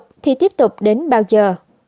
tiếp tục thì tiếp tục đến bao giờ